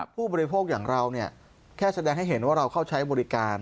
ผู้บริโภคอย่างเราแค่แสดงให้เห็นว่าเราเข้าใช้บริการ